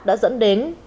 đã dẫn đến